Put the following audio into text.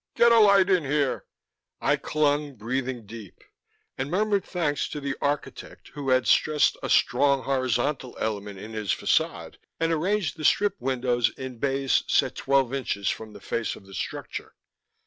"Get a light in here!" I clung, breathing deep, and murmured thanks to the architect who had stressed a strong horizontal element in his façade and arranged the strip windows in bays set twelve inches from the face of the structure.